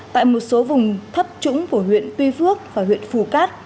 tại một số vùng thấp trũng của huyện tuy phước và huyện phù cát